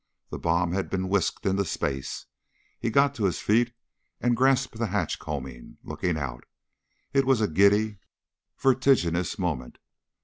The bomb had been whisked into space. He got to his feet and grasped the hatch combing, looking out. It was a giddy, vertiginous moment.